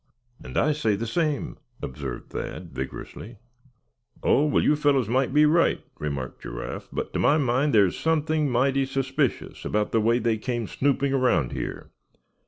"And I say the same," observed Thad, vigorously. "Oh! well, you fellows may be right," remarked Giraffe; "but to my mind there's something mighty suspicious about the way they came snooping around here.